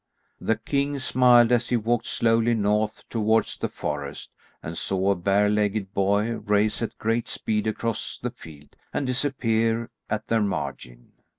The king smiled as he walked slowly north towards the forest and saw a bare legged boy race at great speed across the fields and disappear at their margin.